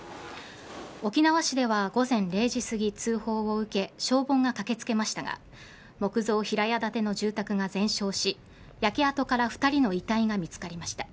沖縄市では午前０時すぎ通報を受け消防が駆けつけましたが木造平屋建ての住宅が全焼し焼け跡から２人の遺体が見つかりました。